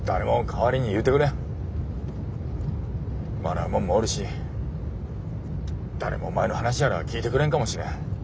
笑う者もおるし誰もお前の話やら聞いてくれんかもしれん。